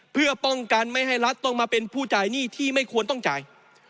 เพื่อป้องกันไม่ให้รัฐต้องมาเป็นผู้จ่ายหนี้ที่ไม่ควรต้องจ่าย